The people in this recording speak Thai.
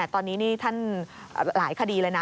ตอนนี้นี่ท่านหลายคดีเลยนะ